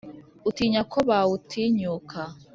Utinya ko bawutinyuka